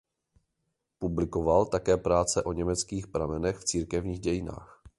Publikoval také práce o německých pramenech k církevním dějinám.